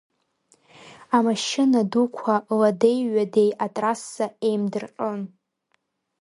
Амашьына дуқәа ладеи-ҩадеи атрасса еимдырҟьон.